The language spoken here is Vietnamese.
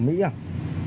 cái đấy của ấn độ